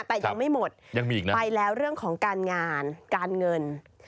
แต่ยังไม่หมดไปแล้วเรื่องของการงานการเงิน